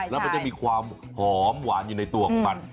แล้วมันจะมีความหอมหวานอยู่ในตัวของมัน